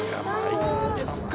そうですか。